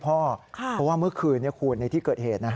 เพราะว่าเมื่อคืนในที่เกิดเหตุ